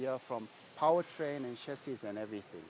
dari kereta dan kapal dan segalanya